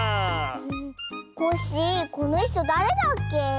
コッシーこのひとだれだっけ？